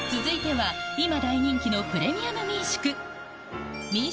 続いては今大人気のプレミアム民宿。